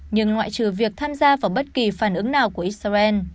nhưng loại trừ việc tham gia vào bất kỳ phản ứng nào của israel